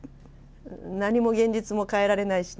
何も現実も変えられないしね。